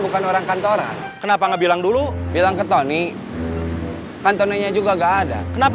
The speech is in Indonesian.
bukan orang kantoran kenapa nggak bilang dulu bilang ke tony kantornenya juga enggak ada kenapa